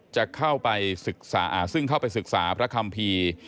จะเข้าไปศึกษาพระคัมภีร์